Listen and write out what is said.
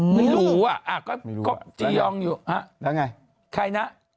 ไม่รู้อ่ะละงัย